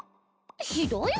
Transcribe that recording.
ひどいわ。